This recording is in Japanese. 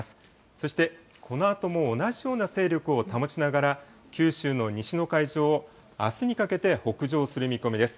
そしてこのあとも同じような勢力を保ちながら九州の西の海上をあすにかけて北上する見込みです。